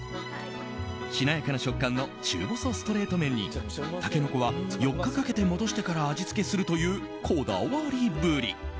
しなやかな食感の中細ストレート麺にタケノコは４日かけて戻してから味付けするというこだわりぶり。